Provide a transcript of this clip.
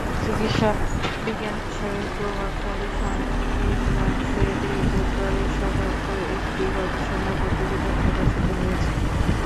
চিকিৎসাবিজ্ঞান-বিষয়ক প্রভাবশালী সাময়িকী ল্যানসেট-এ বুধবার এ-সংক্রান্ত একটি গবেষণা প্রতিবেদন প্রকাশিত হয়েছে।